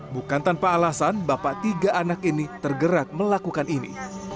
bukan tanpa alasan bapak tiga anak ini tergerak melakukan ini